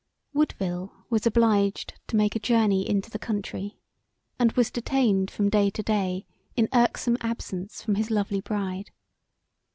Woodville was obliged to make a journey into the country and was detained from day to day in irksome absence from his lovely bride.